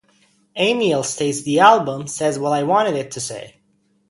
Amiel states The album says what I wanted it to say.